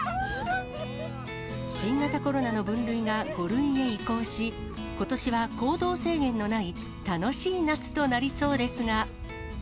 新型コロナの分類が５類へ移行し、ことしは行動制限のない楽しい夏となりそうですが。